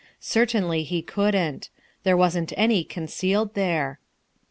Certainly he couldn't. There wasn't any concealed there.